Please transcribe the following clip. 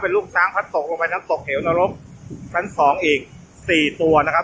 ลูกช้างพัดตกลงไปน้ำตกเหวนรกชั้นสองอีกสี่ตัวนะครับ